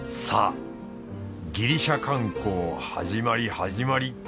さあギリシャ観光はじまりはじまり！